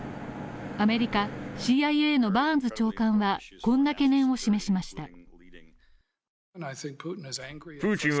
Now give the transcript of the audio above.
アメリカ、ＣＩＡのバーンズ長官はこんな懸念を示しました。